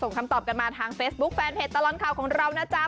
คำตอบกันมาทางเฟซบุ๊คแฟนเพจตลอดข่าวของเรานะจ๊ะ